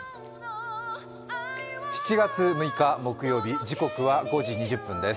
７月６日木曜日、時刻は５時２０分です。